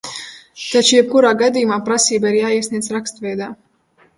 Taču jebkurā gadījumā prasība ir jāiesniedz rakstveidā.